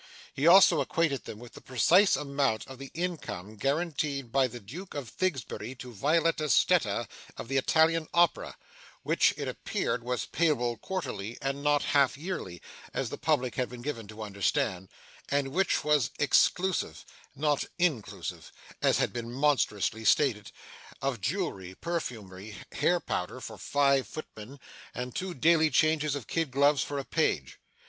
He also acquainted them with the precise amount of the income guaranteed by the Duke of Thigsberry to Violetta Stetta of the Italian Opera, which it appeared was payable quarterly, and not half yearly, as the public had been given to understand, and which was EXclusive, and not INclusive (as had been monstrously stated,) of jewellery, perfumery, hair powder for five footmen, and two daily changes of kid gloves for a page.